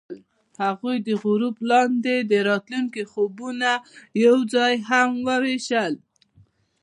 هغوی د غروب لاندې د راتلونکي خوبونه یوځای هم وویشل.